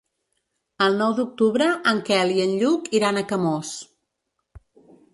El nou d'octubre en Quel i en Lluc iran a Camós.